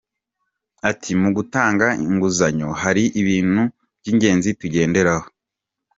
Ati “Mu gutanga inguzanyo hari ibintu by’ingenzi tugenderaho.